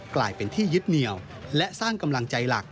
กลายเป็นที่ยึดเหนียวและสร้างกำลังใจหลัก